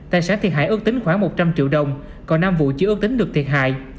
tài sản thiệt hại ước tính khoảng một trăm linh triệu đồng còn năm vụ chưa ước tính được thiệt hại